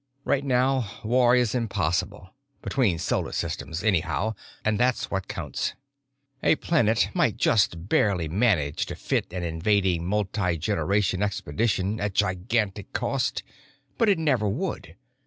Right now war is impossible—between solar systems, anyhow, and that's what counts. A planet might just barely manage to fit an invading multigeneration expedition at gigantic cost, but it never would.